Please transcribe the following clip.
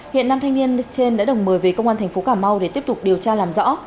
hiện nam thanh niên trên đã được mời về công an thành phố cà mau để tiếp tục điều tra làm rõ